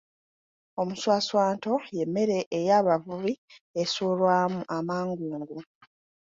Omuswaswanto y’emmere ey’abavubi esuulwamu amangungu.